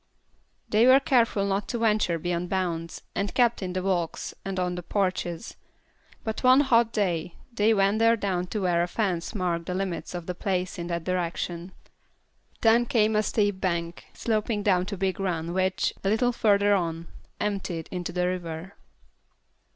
They were careful not to venture beyond bounds, and kept in the walks and on the porches, but one hot day they wandered down to where a fence marked the limits of the place in that direction. Then came a steep bank sloping down to Big Run which, a little further on, emptied into the river.